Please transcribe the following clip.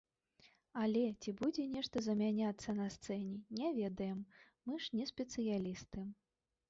Але, ці будзе нешта замяняцца на сцэне, не ведаем, мы ж не спецыялісты!